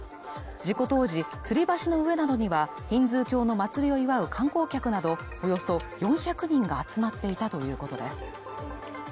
事故当時つり橋の上などにはヒンズー教の祭りを祝う観光客などおよそ４００人が集まっていたということです